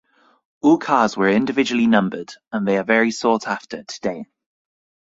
All cars were individually numbered and they are very sought-after today.